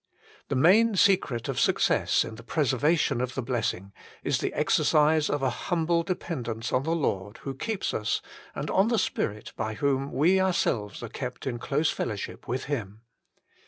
2 The main secret of success in the preservation of the blessing is the exercise of a humble depend ence on the Lord who keeps us and on the Spirit by whom we ourselves are kept in close fellow ship with Him.